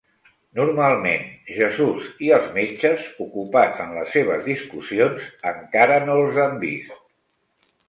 Normalment, Jesús i els metges, ocupats en les seves discussions, encara no els han vist.